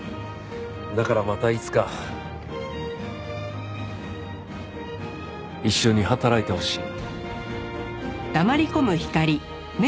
だからまたいつか一緒に働いてほしい。